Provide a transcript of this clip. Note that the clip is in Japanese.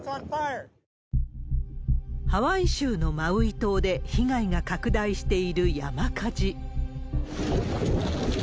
ハワイ州のマウイ島で被害が拡大している山火事。